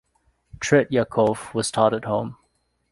Tretyakov was taught at home.